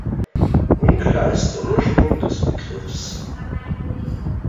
Unklar ist der Ursprung des Begriffs.